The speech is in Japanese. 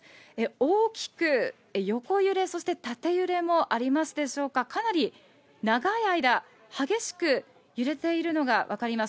大きく横揺れ、そして縦揺れもありますでしょうか、かなり長い間、激しく揺れているのが分かります。